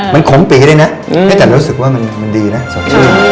มันขมปี๋ได้นะให้จัดรู้สึกว่ามันดีนะสดชื่น